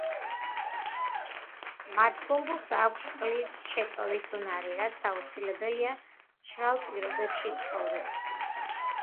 მათ ბუმბულს აქვს წყლის შეწოვის უნარი, რაც აუცილებელია მშრალ პირობებში ცხოვრებისათვის.